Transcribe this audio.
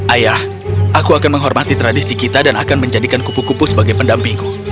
ayah aku akan menghormati tradisi kita dan akan menjadikan kupu kupu sebagai pendampingku